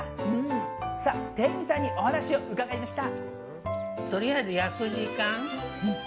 店員さんにお話を伺いました。